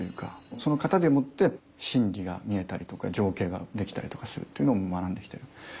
その型でもって心理が見えたりとか情景ができたりとかするっていうのを学んできてる。